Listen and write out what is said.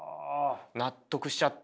納得しちゃった。